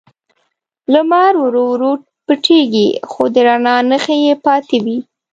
لمر ورو ورو پټیږي، خو د رڼا نښې یې پاتې وي.